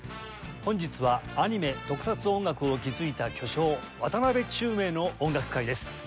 本日はアニメ・特撮音楽を築いた巨匠渡辺宙明の音楽会です。